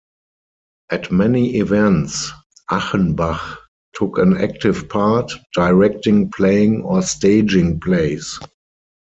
At many events, Achenbach took an active part, directing, playing or staging plays.